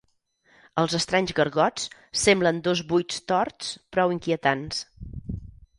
Els estranys gargots semblen dos vuits torts prou inquietants.